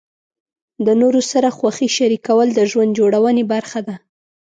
د نورو سره خوښۍ شریکول د ژوند جوړونې برخه ده.